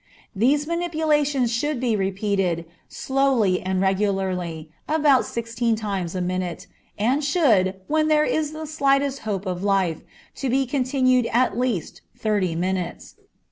These manipulations should be repeated, slowly and regularly, about sixteen times a minute, and should, when there is the slightest hope of life, be continued at least thirty minutes.